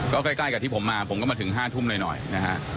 ก็ใกล้กับที่ผมมาผมก็มาถึง๕ทุ่มหน่อยนะฮะ